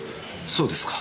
そうですか。